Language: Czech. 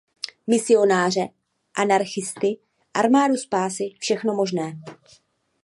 Misionáře, anarchisty, Armádu spásy, všechno možné.